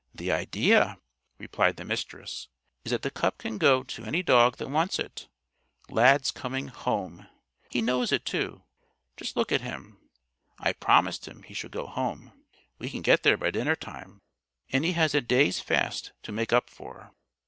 "The idea," replied the Mistress, "is that the cup can go to any dog that wants it. Lad's coming home. He knows it, too. Just look at him. I promised him he should go home. We can get there by dinner time, and he has a day's fast to make up for."